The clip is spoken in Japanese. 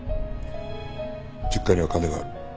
実家には金がある。